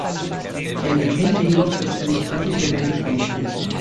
Er betonte jedoch, dass er nicht anti-sowjetisch eingestellt sei.